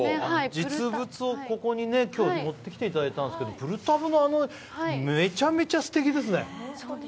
実物をここに今日持ってきていただいたんですけどプルタブの、めちゃめちゃすてきですね。